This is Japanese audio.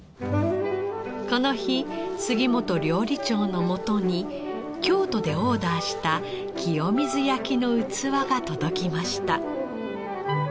この日杉本料理長のもとに京都でオーダーした清水焼の器が届きました。